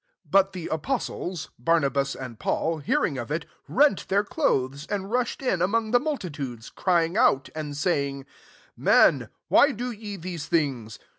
14 But the apostles, Barna bas and Paul, hearing qf it, rent their clothes, and rushed in among the multitudes, cry ing out, 15 and saying, " Men, why do ye these things